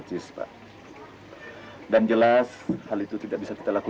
jangan lupa pak